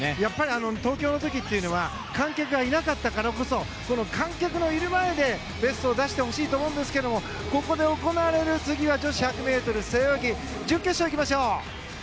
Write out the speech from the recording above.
東京の時は観客がいなかったからこそこの観客のいる前でベストを出してほしいと思うんですけどここで行われる次は女子１００ｍ背泳ぎ準決勝、いきましょう。